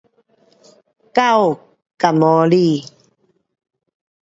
狗跟猫